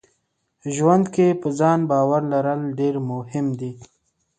ژوند کې په ځان باور لرل ډېر مهم دي.